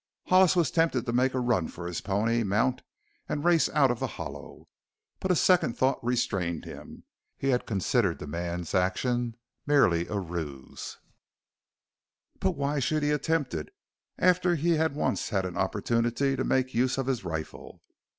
Hollis was tempted to make a run for his pony, mount, and race out of the hollow. But a second thought restrained him. He had considered the man's action merely a ruse, but why should he attempt it after he had once had an opportunity to make use of his rifle?